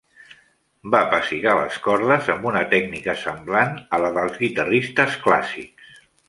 Va pessigar les cordes amb una tècnica semblant a la dels guitarristes clàssics.